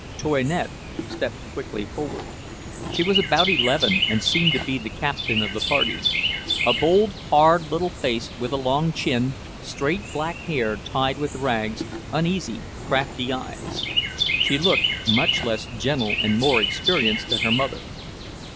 'Toinette stepped quickly forward. She was about eleven, and seemed to be the captain of the party. A bold, hard little face with a long chin, straight black hair tied with rags, uneasy, crafty eyes; she looked much less gentle and more experienced than her mother.